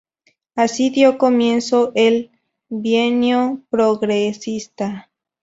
Así dio comienzo el bienio progresista.